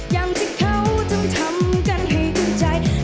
อย่างที่เขาจำทำกันให้กูใจ